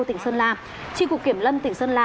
tỉnh sơn la tri cục kiểm lâm tỉnh sơn la